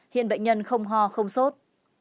hiện bệnh nhân không ho không sốt